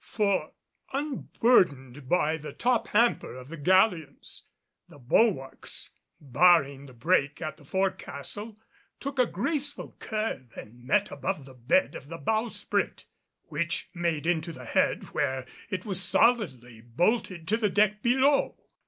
For, unburdened by the tophamper of the galleons, the bulwarks, barring the break at the fore castle, took a graceful curve and met above the bed of the bowsprit, which made into the head where it was solidly bolted to the deck below.